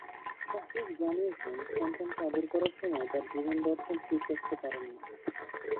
শাহরুখ জানিয়েছেন, সন্তানকে আদর করার সময় তাঁর জীবনদর্শন ঠিক রাখতে পারেন না।